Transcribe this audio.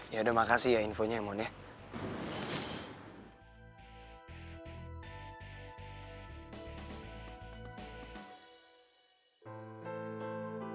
yaudah makasih ya infonya mon ya